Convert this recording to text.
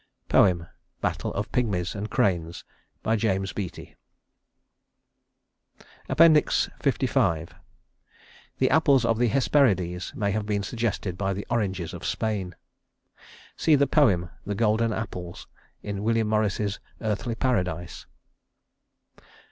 Poem: Battle of Pygmies and Cranes JAMES BEATTIE LV The Apples of the Hesperides may have been suggested by the oranges of Spain. See the poem "The Golden Apples," in William Morris's "Earthly Paradise."